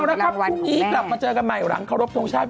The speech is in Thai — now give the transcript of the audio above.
พรุ่งนี้กลับมาเจอกันใหม่หลังขอรบทรงชาติ